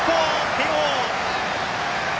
慶応！